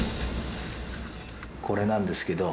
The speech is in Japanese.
これなんですけど。